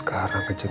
iya andin ada juga